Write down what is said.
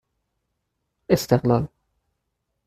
استقلال